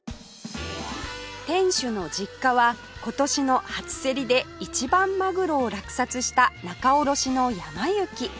店主の実家は今年の初競りで一番マグロを落札した仲卸のやま幸